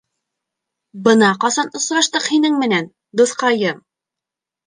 Бына ҡасан осраштыҡ һинең менән, дуҫҡайым!